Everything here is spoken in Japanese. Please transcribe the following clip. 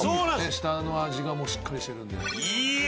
「下の味がもうしっかりしてるんで」いや！